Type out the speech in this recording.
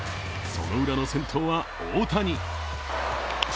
そのウラの先頭は大谷。